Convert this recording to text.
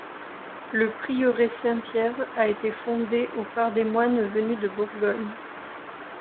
Le Prieuré Saint-Pierre a été fondé au par des moines venus de Bourgogne.